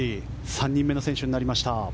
３人目の選手になりました。